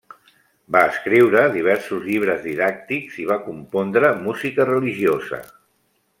Va escriure diversos llibres didàctics i va compondre música religiosa.